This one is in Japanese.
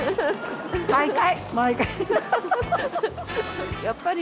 毎回。